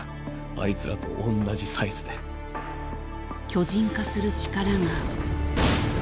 巨人化する力が。